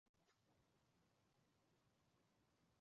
佐佐木胜彦是日本东京都出身的演员及配音员。